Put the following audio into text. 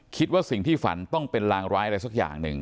คิดว่าสิ่งที่ฝันต้องเป็นรางร้ายอะไรสักอย่างหนึ่ง